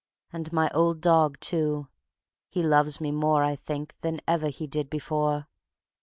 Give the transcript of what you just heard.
And my old dog, too, he loves me more, I think, than ever he did before.